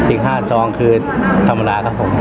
อีก๕ซองคือธรรมดาครับผม